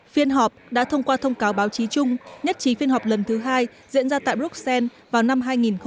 phiên họp đã thông qua thông cáo báo chí chung nhất trí phiên họp lần thứ hai diễn ra tại bruxelles vào năm hai nghìn hai mươi